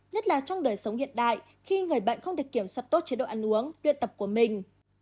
nhất là trong đời sống hiện đại khi người bệnh không được kiểm soát tốt chế độ ăn uống luyện tập của mình